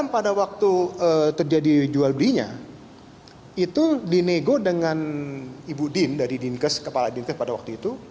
pada waktu terjadi jual belinya itu dinego dengan ibu din dari dinkes kepala dinkes pada waktu itu